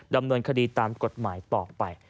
ดำเนินคดีตามกฎหมายต่อไป